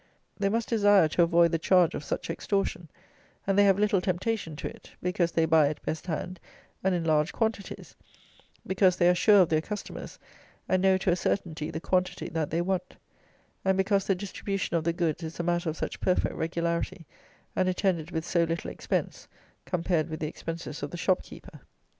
They must desire to avoid the charge of such extortion; and they have little temptation to it; because they buy at best hand and in large quantities; because they are sure of their customers, and know to a certainty the quantity that they want; and because the distribution of the goods is a matter of such perfect regularity, and attended with so little expense, compared with the expenses of the shopkeeper.